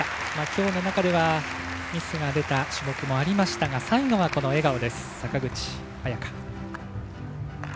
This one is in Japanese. きょうの中ではミスが出た種目もありましたが最後は笑顔です、坂口彩夏。